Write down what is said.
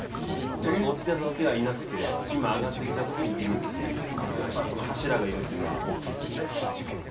ちょっと落ちてたときはいなくて、今、上がってきたときにいるという柱がいるというのは大きいですね。